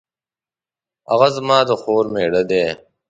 هغه زما د خور میړه دی